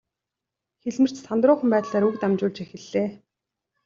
Хэлмэрч сандруухан байдлаар үг дамжуулж эхэллээ.